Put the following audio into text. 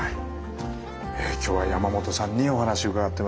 今日は山本さんにお話を伺ってまいりました。